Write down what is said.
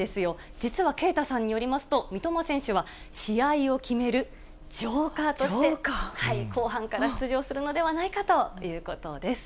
実は啓太さんによりますと、三笘選手は試合を決めるジョーカーとして、後半から出場するのではないかということです。